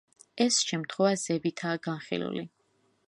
ეს შემთხვევა ზევითაა განხილული.